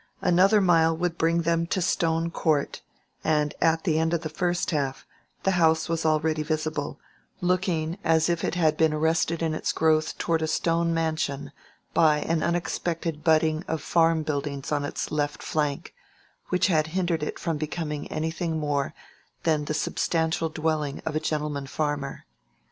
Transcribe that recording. Another mile would bring them to Stone Court, and at the end of the first half, the house was already visible, looking as if it had been arrested in its growth toward a stone mansion by an unexpected budding of farm buildings on its left flank, which had hindered it from becoming anything more than the substantial dwelling of a gentleman farmer.